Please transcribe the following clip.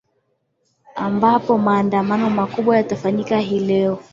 ambapo maandamano makubwa yanafanyika hii leo